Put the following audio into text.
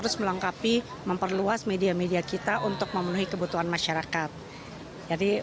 sebagai pilihan utama untuk mencari informasi